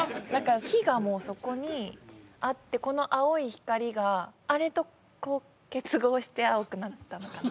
火がもうそこにあってこの青い光があれとこう結合して青くなったのかな